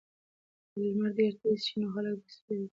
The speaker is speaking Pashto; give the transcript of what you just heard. که لمر ډېر تېز شي نو خلک به سیوري ته پناه یوسي.